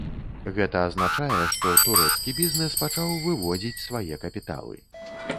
Гэта азначае, што турэцкі бізнэс пачаў выводзіць свае капіталы.